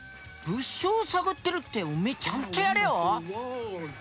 物証を探ってるっておめえちゃんとやれよ？